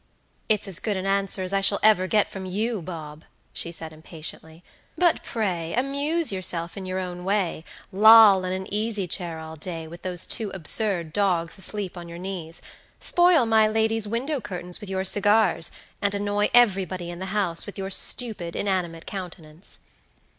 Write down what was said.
"It's as good an answer as I shall ever get from, you, Bob," she said, impatiently; "but pray amuse yourself in your own way; loll in an easy chair all day, with those two absurd dogs asleep on your knees; spoil my lady's window curtains with your cigars and annoy everybody in the house with your stupid, inanimate countenance."